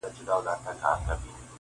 o د وخت له کانه به را باسمه غمي د الماس,